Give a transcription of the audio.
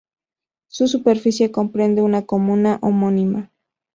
Su superficie comprende una comuna homónima.